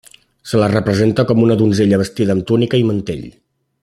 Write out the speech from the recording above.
Se la representa com una donzella vestida amb túnica i mantell.